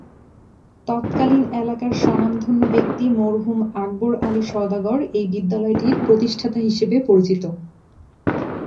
তৎকালীন এলাকার স্বনামধন্য ব্যক্তি মরহুম আকবর আলী সওদাগর এই বিদ্যালয়টির প্রতিষ্ঠাতা হিসেবে পরিচিত।